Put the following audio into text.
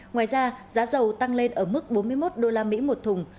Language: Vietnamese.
ngoài ra giá dầu tăng lên ở mức bốn mươi một usd một thùng